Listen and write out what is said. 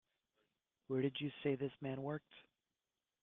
Where did you say this man worked?